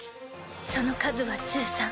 その数は１３。